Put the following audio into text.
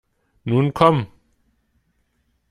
Nun komm!